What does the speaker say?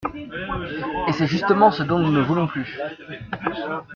Et c’est justement ce dont nous ne voulons plus.